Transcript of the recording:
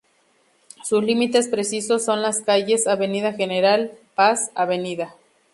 Sus límites precisos son las calles: Avenida General Paz, Av.